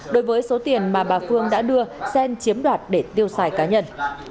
đối với số tiền mà bà phương đã đưa xen chiếm đoạt để tiêu xài cá nhân